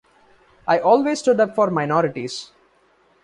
I always stood up for minorities.